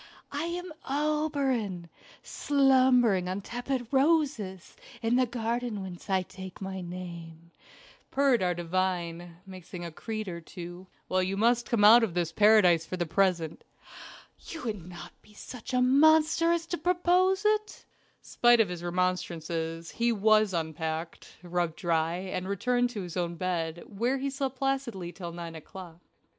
"I am Oberon, slumbering on tepid roses in the garden whence I take my name," purred our divine, mixing a creed or two. "Well, you must come out of this paradise for the present." "You wouldn't be such a monster as to propose it." Spite of his remonstances, he was unpacked, rubbed dry, and returned to his own bed, where he slept placidly till nine o'clock.